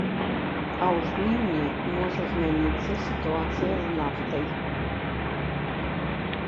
А ў жніўні можа змяніцца сітуацыя з нафтай.